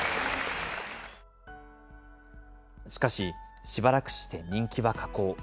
しかし、しばらくして人気は下降。